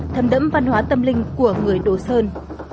thấm đẫm văn hóa tâm linh của người đồ sơn